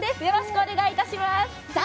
よろしくお願いします。